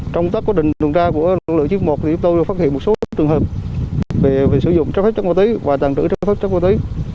trong các quá trình tuần tra của lực lượng chín trăm một mươi một thì chúng tôi đã phát hiện một số trường hợp về sử dụng trái phép chất nguồn tí và tàn trữ trái phép chất nguồn tí